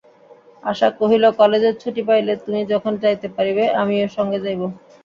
আশা কহিল, কালেজের ছুটি পাইলে তুমি যখন যাইতে পারিবে, আমিও সঙ্গে যাইব।